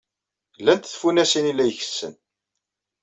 Llant tfunasin ay la ikessen.